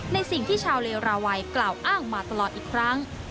ในสิ่งที่ชาวเลราวัยกล่าวอ้างมาตลอดอีกครั้ง